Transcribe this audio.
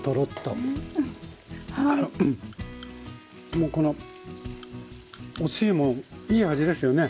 もうこのおつゆもいい味ですよね。